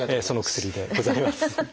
その薬でございます。